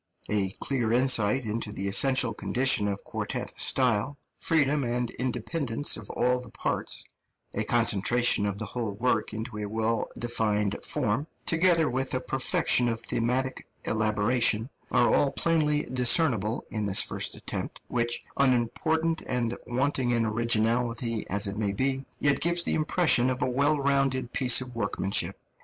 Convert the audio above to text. A clear insight into the essential conditions of quartet style, freedom and independence of all the parts, a concentration of the whole work into a well defined form, together with a perfection of thematic elaboration, are all plainly discernible in this first attempt, which, unimportant and wanting in originality as it may be, yet gives the impression of a well rounded piece of workmanship.